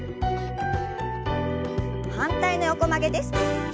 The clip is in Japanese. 反対の横曲げです。